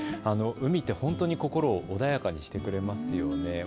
海って本当に心を穏やかにしてくれますよね。